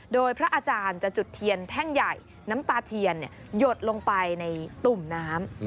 โดยพระอาจารย์จะจุดเทียนแท่งใหญ่น้ำตาเทียนหยดลงไปในตุ่มน้ำ